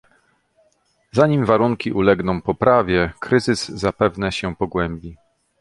Zanim warunki ulegną poprawie, kryzys zapewne się pogłębi